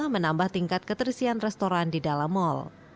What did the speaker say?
menambah tingkat keterisian restoran di dalam mal